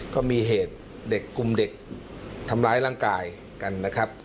ก็มีเหตุเด็กกลุ่มเด็กทำร้ายร่างกายกันนะครับ